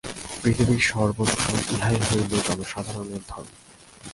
পৃথিবীর সর্বত্র ইহাই হইল জনসাধারণের ধর্ম।